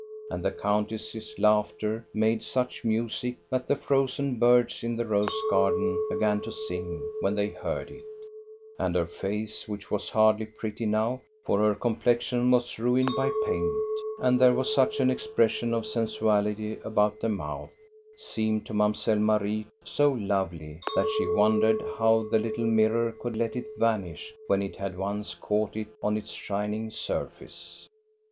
And the countess's laughter made such music that the frozen birds in the rose garden began to sing when they heard it, and her face, which was hardly pretty now, — for her com plexion was ruined by paint, and there was such an expression of sensuality about the mouth, — seemed to Mamselle Marie so lovely that she wondered how the little mirror could let it vanish when it had once caught it on its shining surface.